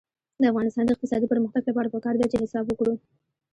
د افغانستان د اقتصادي پرمختګ لپاره پکار ده چې حساب وکړو.